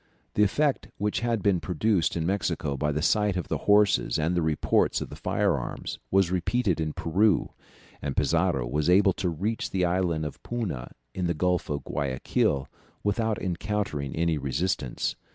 The effect which had been produced in Mexico by the sight of the horses and the reports of the fire arms was repeated in Peru, and Pizarro was able to reach the Island of Puna in the Gulf of Guayaquil without encountering any resistance.